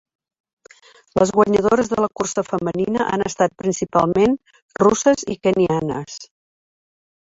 Les guanyadores de la cursa femenina han estat principalment russes i kenyanes.